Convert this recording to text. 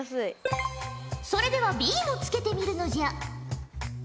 それではＢもつけてみるのじゃ！